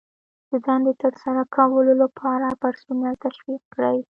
د دندې د ترسره کولو لپاره پرسونل تشویق کړئ.